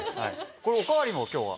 これおかわりも今日は。